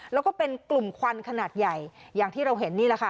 แล้วก็เป็นกลุ่มควันขนาดใหญ่อย่างที่เราเห็นนี่แหละค่ะ